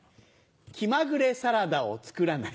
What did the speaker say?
気まぐれサラダを作らない。